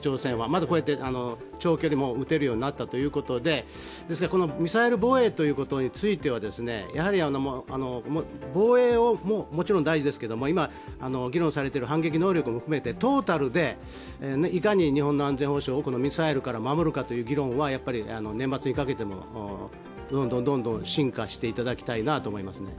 こうやって長距離も撃てるようになったということで、ミサイル防衛ということについては、防衛はもちろん大事ですが今、議論されている反撃能力も含めてトータルでいかに日本の安全保障をミサイルから守るかという議論は年末にかけてもどんどん深化していただきたいと思いますね。